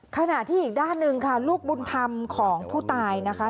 ขณะที่อีกด้านหนึ่งค่ะลูกบุญธรรมของผู้ตายนะคะ